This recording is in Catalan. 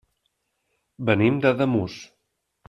Venim d'Ademús.